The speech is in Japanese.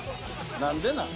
何でなん？